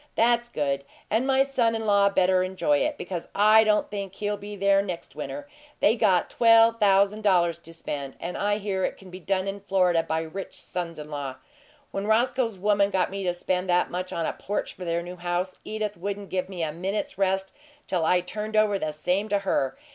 "That's good, and my son in law better enjoy it, because I don't think he'll be there next winter. They got twelve thousand dollars to spend, and I hear it can be done in Florida by rich sons in law. When Roscoe's woman got me to spend that much on a porch for their new house, Edith wouldn't give me a minute's rest till I turned over the same to her.